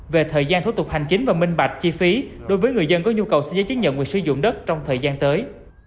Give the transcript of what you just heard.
về thời gian thủ tục hành chính và minh bạch chi phí đối với người dân có nhu cầu xin giấy chứng nhận quyền sử dụng đất trong thời gian tới